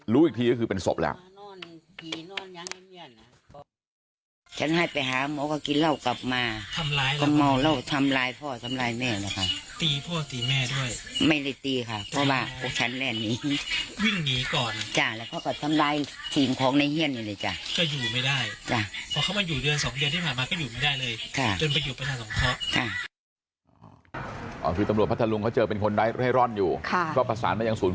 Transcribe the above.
รู้อีกทีก็คือเป็นศพแล้ว